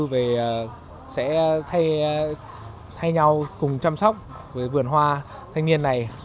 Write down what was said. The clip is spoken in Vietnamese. về sẽ thay nhau cùng chăm sóc với vườn hoa thanh niên này